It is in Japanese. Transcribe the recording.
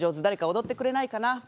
誰か踊ってくれないかな」。